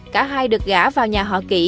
cả hai được gã vào nhà họ kỷ